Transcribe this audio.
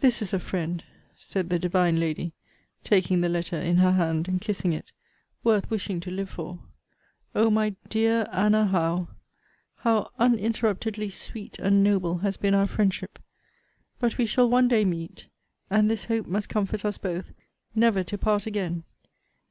This is a friend, said the divine lady, (taking the letter in her hand, and kissing it,) worth wishing to live for. O my dear Anna Howe! how uninterruptedly sweet and noble has been our friendship! But we shall one day meet, (and this hope must comfort us both,) never to part again!